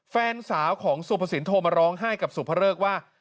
แฟนสาวของสุภสินโทรมาร้องไห้กับสุภเริกว่า